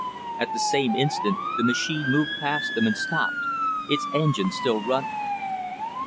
At the same instant, the machine moved past them, and stopped; its engine still running.